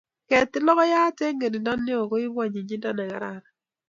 Ketil logoiyat eng kerindo ne o koipu anyinyindo ne kararan